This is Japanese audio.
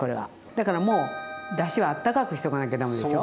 だからもうだしはあったかくしとかなきゃダメですよ。